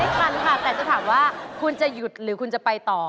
ทันค่ะแต่จะถามว่าคุณจะหยุดหรือคุณจะไปต่อ